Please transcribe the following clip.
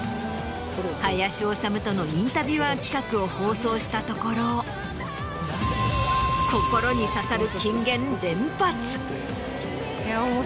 林修とのインタビュアー企画を放送したところ心に刺さる。